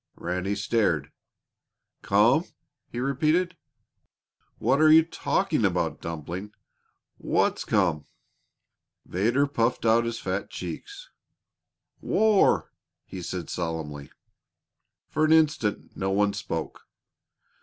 Ranny stared. "Come?" he repeated. "What are you talking about, Dumpling? What's come?" Vedder puffed out his fat cheeks. "War!" he said solemnly. For an instant no one spoke.